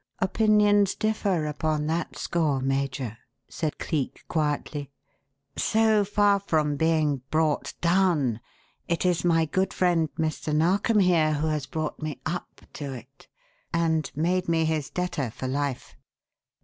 "Opinions differ upon that score, Major," said Cleek quietly. "So far from being 'brought down,' it is my good friend, Mr. Narkom here, who has brought me up to it and made me his debtor for life."